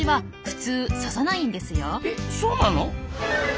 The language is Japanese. そうなの？